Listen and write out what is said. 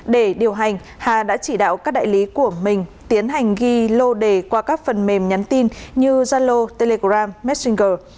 để điều hành hà đã chỉ đạo các đại lý của mình tiến hành ghi lô đề qua các phần mềm nhắn tin như zalo telegram messenger